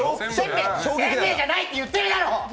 せんべいじゃないって言ってるだろ！